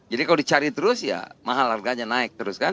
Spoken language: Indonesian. jadi kalau dicari terus ya mahal harganya naik terus kan